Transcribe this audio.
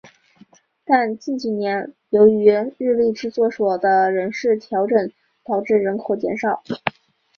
但近几年由于日立制作所的人事调整导致人口减少。